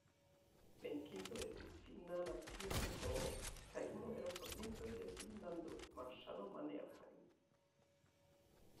Venkinto estis finna nacia heroo kaj unu el la fondintoj de Finnlando marŝalo Mannerheim.